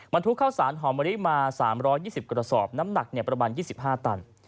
ทุกข้าวสารหอมมะลิมา๓๒๐กระสอบน้ำหนักประมาณ๒๕ตัน